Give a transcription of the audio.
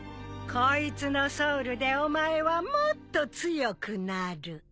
こいつのソウルでお前はもっと強くなる。